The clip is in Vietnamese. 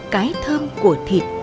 cái thơm của thịt